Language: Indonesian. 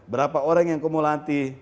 berapa orang yang kamu latih